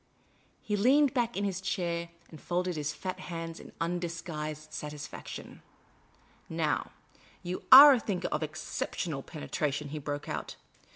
He leaned back in his chair and folded his fat hands in undisguised satisfaction, " Now, you are a thinker of ex ceptional penetration," he broke out.